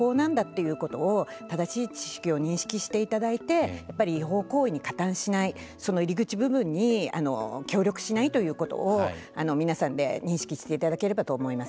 これは違法なんだということを正しい知識を認識していただいて違法行為に加担しないその入り口部分に協力しないということを皆さんで認識していただければと思います。